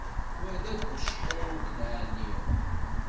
Wa d abucḥiḍ ur ken-neɛni.